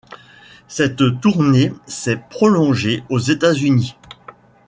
Cette tournée s'est prolongée aux États-Unis.